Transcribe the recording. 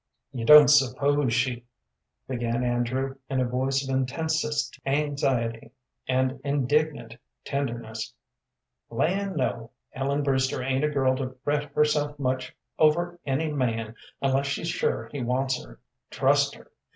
"You don't suppose she " began Andrew, in a voice of intensest anxiety and indignant tenderness. "Land, no; Ellen Brewster ain't a girl to fret herself much over any man unless she's sure he wants her; trust her.